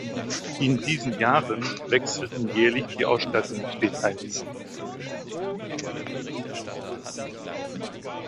In diesen Jahren wechselten jährlich die Ausstattungsdetails.